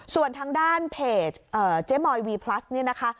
ส่วนทางด้านเพจเจ๊มอยวีพลัสเนี่ยนะคะ